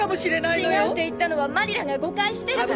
違うって言ったのはマリラが誤解してるから。